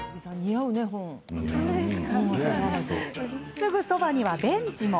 すぐそばには、ベンチも。